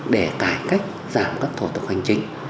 để cải cách giảm các thổ tục hành chính